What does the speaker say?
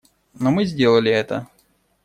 Но мы сделали это.